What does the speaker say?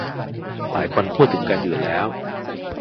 หลายคนพูดถึงกันอยู่แล้ว